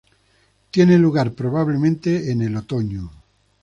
Tiene lugar, probablemente, en el otoño.